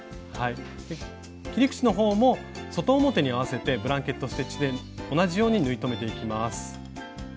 切り口の方も外表に合わせてブランケット・ステッチで同じように縫い留めていきます。